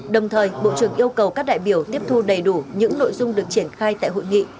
đồng thời bộ trưởng yêu cầu các đại biểu tiếp thu đầy đủ những nội dung được triển khai tại hội nghị